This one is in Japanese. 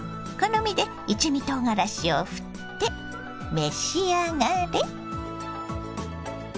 好みで一味とうがらしをふって召し上がれ。